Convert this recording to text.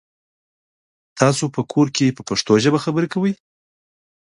تاسو په کور کې پښتو ژبه خبري کوی؟